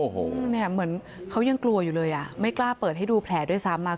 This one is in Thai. เหมือนเขายังกลัวอยู่เลยอ่ะไม่กล้าเปิดให้ดูแผลด้วยซ้ำอ่ะ